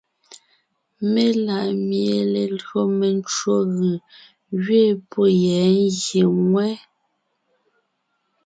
Mela ʼmie lelÿò mencwò gʉ̀ gẅiin pɔ́ yɛ́ ngyè ŋwɛ́.